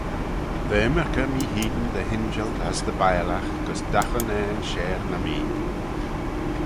Dy ymmyrkey mee hene dy injil as dy biallagh gys dagh unnane share na mee.